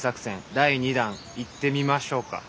第２弾いってみましょうか。